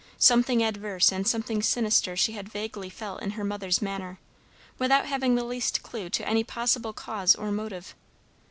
Something adverse and something sinister she had vaguely felt in her mother's manner, without having the least clue to any possible cause or motive.